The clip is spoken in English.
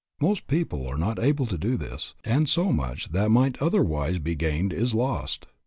Most people are not able to do this and so much that might otherwise be gained is lost.